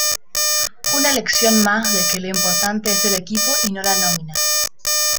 Una lección más de que lo importante es el equipo y no la nómina.